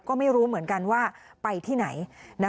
ก็ไม่รู้เหมือนกันว่าไปที่ไหน